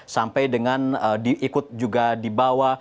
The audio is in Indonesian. sampai dengan diikut juga dibawa